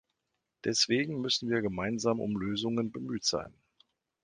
Deswegen müssen wir gemeinsam um Lösungen bemüht sein.